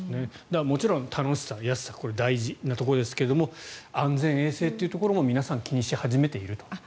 もちろん楽しさ、安さ大事なところですが安全、衛生というところも皆さん、気にし始めていると。